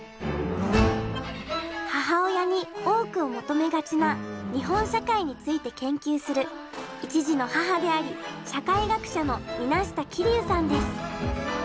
母親に多くを求めがちな日本社会について研究する一児の母であり社会学者の水無田気流さんです。